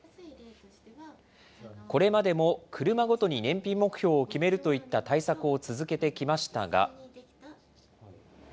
これまでも車ごとに燃費目標を決めるといった対策を続けてきましたが。